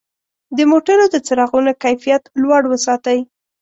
د موټرو د څراغونو کیفیت لوړ وساتئ.